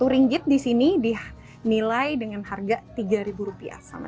rp satu di sini dia nilai dengan harga rp tiga